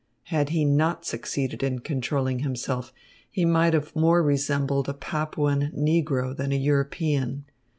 Had he not succeeded in controlling himself, he might have more resembled a Papuan negro than a European.